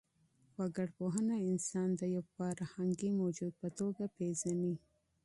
وګړپوهنه انسان د يو فرهنګي موجود په توګه پېژني.